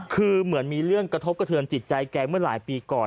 คือเหมือนมีเรื่องกระทบกระเทือนจิตใจแกเมื่อหลายปีก่อน